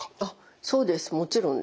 そうですもちろんです。